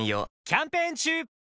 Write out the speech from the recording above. キャンペーン中！